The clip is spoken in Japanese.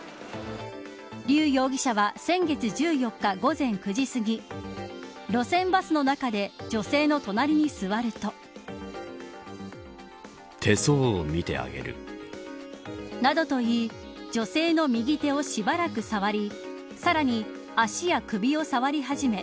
劉容疑者は先月１４日午前９時すぎ路線バスの中で女性の隣に座ると。などと言い女性の右手をしばらく触りさらに足や首を触り始め